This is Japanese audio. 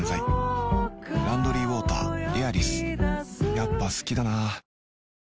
やっぱ好きだな